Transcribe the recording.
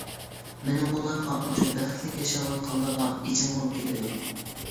مېنىڭ ئۇلارغا، ئاشۇ بەختلىك ياشاۋاتقانلارغا ئېچىنغۇم كېلىدۇ.